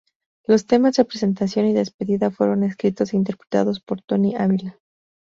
Los temas de presentación y despedida fueron escritos e interpretados por Toni Ávila.